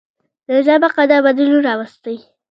د نظام بقا دا بدلون راوستی.